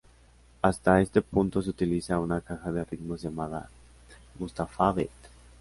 Hasta este punto se utiliza una caja de ritmos llamada Mustafa Beat.